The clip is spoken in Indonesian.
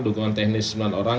dukungan teknis sembilan orang